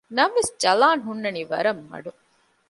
ނަމަވެސް ޖަލާން ހުންނަނީ ވަރަށް މަޑުން